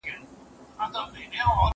د مرغانو په کتار کي راتلای نه سې